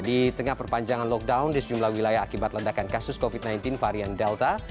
di tengah perpanjangan lockdown di sejumlah wilayah akibat ledakan kasus covid sembilan belas varian delta